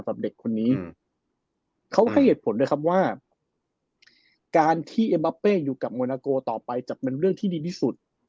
แบบเด็กคนนี้เขาให้เหตุผลด้วยครับว่าการที่อยู่กับต่อไปจะเป็นเรื่องที่ดีที่สุด